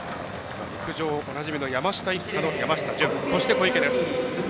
陸上、おなじみの山下一家のそして小池です。